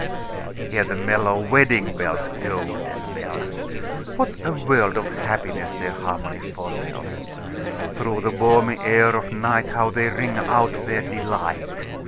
Hear the mellow wedding bells, Golden bells! What a world of happiness their harmony foretells! Through the balmy air of nightHow they ring out their delight!